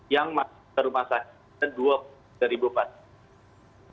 yang rumah sakit dua pasien